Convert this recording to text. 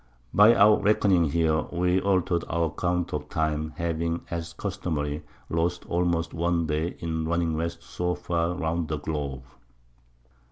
By our Reckoning here, we alter'd our Account of Time, having, as customary, lost almost one Day in running West so far round the Globe.